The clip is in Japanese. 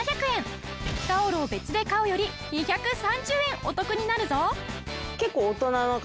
タオルを別で買うより２３０円お得になるぞ。